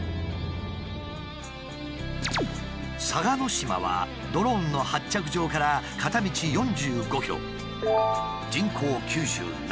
嵯峨島はドローンの発着場から片道４５ｋｍ人口９７。